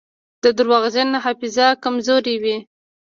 د درواغجن حافظه کمزورې وي.